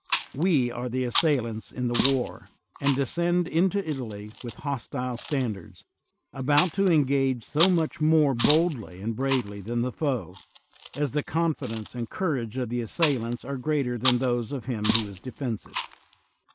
We are the as sailants in the war, and descend into Italy with hostile standards, about to engage so much more boldly and bravely than the foe, as the con fidence and courage of the assailants are greater than those of him who is defensive.